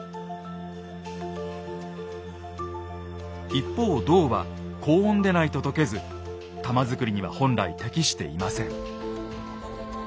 一方銅は高温でないと溶けず玉づくりには本来適していません。